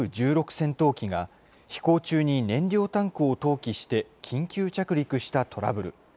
戦闘機が、飛行中に燃料タンクを投棄して緊急着陸したトラブル。